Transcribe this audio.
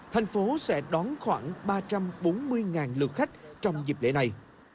thành phố sẽ đón khoảng ba trăm bốn mươi lượt khách trong dịp lễ này